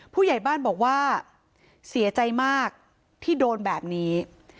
ผู้ใหญ่บ้านบอกว่าเสียใจมากที่โดนแบบนี้